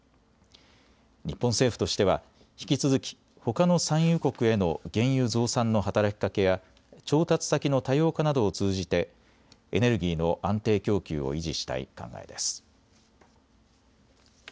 日本政府としては引き続きほかの産油国への原油増産の働きかけや調達先の多様化などを通じてエネルギーの安定供給を維持したい考えです。